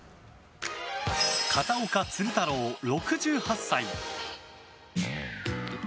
片岡鶴太郎、６８歳。